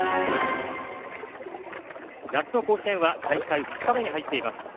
夏の甲子園は大会２日目に入っています。